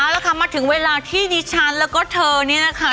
แล้วค่ะมาถึงเวลาที่ดิฉันแล้วก็เธอนี่นะคะ